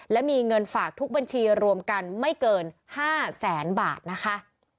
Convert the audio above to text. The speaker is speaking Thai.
และมีเงินฝากทุกบัญชีรวมกันไม่เกิน๕แสนบาทนะคะ